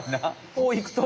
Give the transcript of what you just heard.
こういくと。